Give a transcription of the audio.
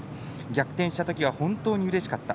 逆転した時は本当にうれしかった。